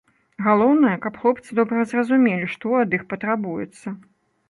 Галоўнае, каб хлопцы добра зразумелі, што ад іх патрабуецца.